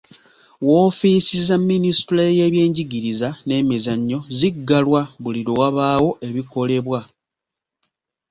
Woofiisi za Minisitule y'ebyenjigiriza n'emizannyo ziggalwa buli lwe wabaawo ebikolebwa.